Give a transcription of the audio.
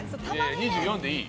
２４でいい。